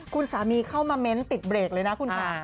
คุณสามีเข้ามาเม้นต์ติดเบรกเลยนะคุณค่ะ